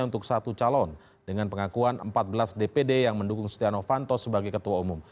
untuk satu calon dengan pengakuan empat belas dpd yang mendukung setia novanto sebagai ketua umum